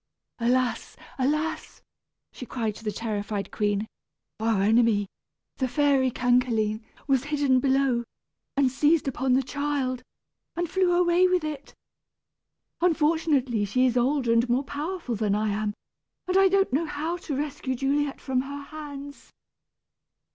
"Alas! alas!" she cried to the terrified queen, "our enemy, the fairy Cancaline, was hidden below, and seized upon the child, and flew away with it. Unfortunately she is older and more powerful than I am, and I don't know how to rescue Juliet from her hands."